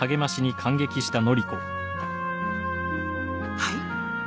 はい。